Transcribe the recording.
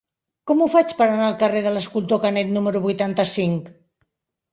Com ho faig per anar al carrer de l'Escultor Canet número vuitanta-cinc?